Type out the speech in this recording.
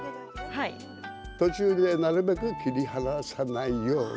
途中でなるべく切り離さないように。